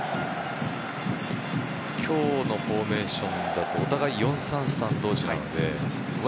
今日のフォーメーションだとお互い４−３−３同士なので１